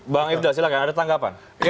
bang ifdal silahkan ada tanggapan